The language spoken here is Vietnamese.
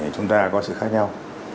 chúng ta có sự khác nhau